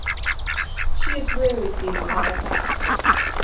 She is rarely seen without a hat.